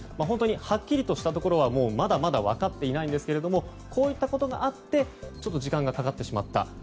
本当にはっきりとしたところはまだまだ分かっていないんですけれどもこういったことがあって時間がかかってしまった。